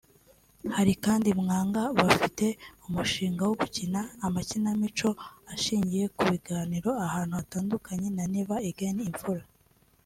Hari kandi Mwanga bafite umushinga wo gukina amakinamico ashingiye ku biganiro ahantu hatandukanye na Never Again Imfura